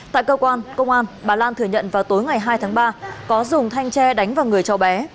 tại cơ quan công an bà lan thừa nhận vào tối ngày hai tháng ba có dùng thanh tre đánh vào người cháu bé